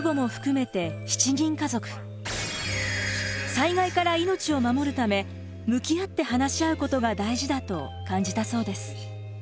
災害から命をまもるため向き合って話し合うことが大事だと感じたそうです。